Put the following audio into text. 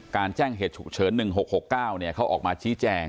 การแจ้งเหตุฉุกเฉินหนึ่งหกหกเก้าเนี้ยเขาออกมาชี้แจง